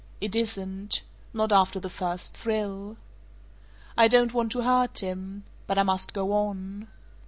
It isn't. Not after the first thrill. "I don't want to hurt him. But I must go on.